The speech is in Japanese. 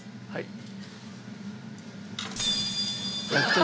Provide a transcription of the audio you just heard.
はい。